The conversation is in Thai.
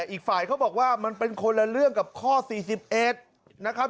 อีกฝ่ายเขาบอกว่ามันเป็นคนละเรื่องกับข้อ๔๑นะครับ